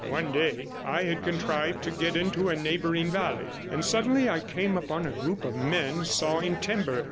One day I had contrived to get into a neighbouring valley, and suddenly I came upon a group of men sawing timber.